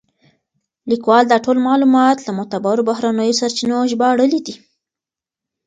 لیکوال دا ټول معلومات له معتبرو بهرنیو سرچینو ژباړلي دي.